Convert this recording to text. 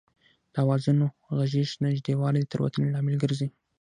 د آوازونو غږیز نږدېوالی د تېروتنې لامل ګرځي